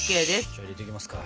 じゃあ入れていきますか。